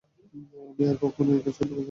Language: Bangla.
আমি আর কক্ষনো একাজ করতে চাই না!